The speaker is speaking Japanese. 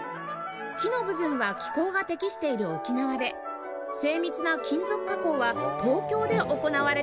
木の部分は気候が適している沖縄で精密な金属加工は東京で行われているんです